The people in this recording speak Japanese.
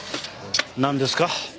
なんですか？